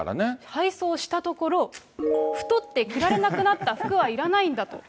配送したところ、太って着られなくなった、服はいらないんだと。